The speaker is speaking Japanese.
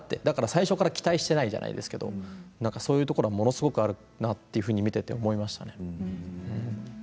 だから最初から期待していないじゃないですけれども、そういうところはものすごくあるなと思いながら見ていましたね。